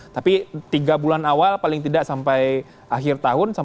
tapi tiga bulan awal paling tidak sampai akhir tahun